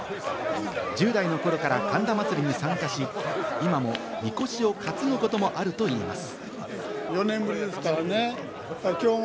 １０代の頃から神田祭に参加し、今もみこしを担ぐこともあるといいます。